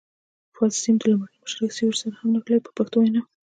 فاز سیم د لومړني مشترک سویچ سره هم ونښلوئ په پښتو وینا.